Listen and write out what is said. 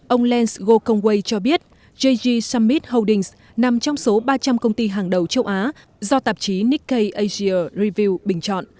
ông lance gokongwei cho biết jg summit holdings nằm trong số ba trăm linh công ty hàng đầu châu á do tạp chí nikkei asia review bình chọn